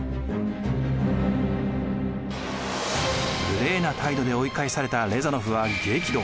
無礼な態度で追い返されたレザノフは激怒。